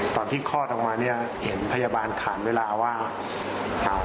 ตอนที่คลอดออกมาเนี้ยเห็นพยาบาลขานเวลาว่าอ่า